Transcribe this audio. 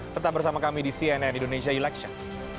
tetap bersama kami di cnn indonesia election